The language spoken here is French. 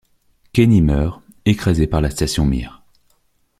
Kenny meurt, écrasé par la station Mir.